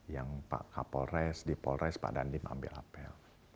yang di polres pak dandim ambil apel